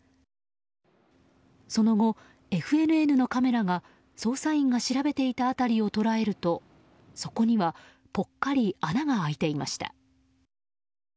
その後、ＦＮＮのカメラが捜査員が調べていた辺りを捉えるとそこにはぽっかり穴が開いていました。